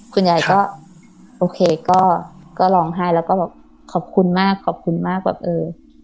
คุณยายก็โอเคก็ก็ร้องไห้แล้วก็บอกขอบคุณมากขอบคุณมากแบบเออ